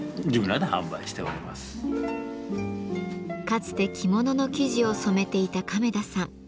かつて着物の生地を染めていた亀田さん。